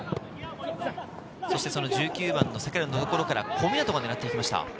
その１９番の櫻井のところから小湊が狙っていきました。